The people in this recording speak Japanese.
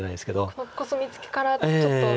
このコスミツケからちょっと流れがと。